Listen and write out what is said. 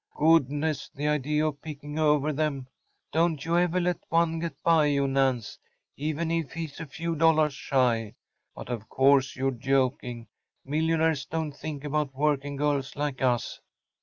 ‚ÄĚ “Goodness! the idea of picking over ’em! Don’t you ever let one get by you Nance‚ÄĒeven if he’s a few dollars shy. But of course you’re joking‚ÄĒmillionaires don’t think about working girls like us.